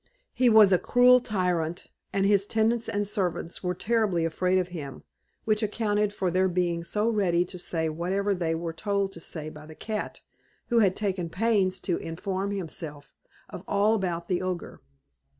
He was a cruel tyrant, and his tenants and servants were terribly afraid of him, which accounted for their being so ready to say whatever they were told to say by the cat, who had taken pains to inform himself of all about the Ogre.